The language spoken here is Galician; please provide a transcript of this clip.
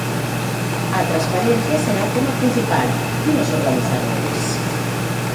A transparencia será o tema principal, din os organizadores.